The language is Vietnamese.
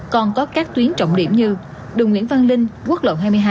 còn có các tuyến trọng điểm như đường nguyễn văn linh quốc lộ hai mươi hai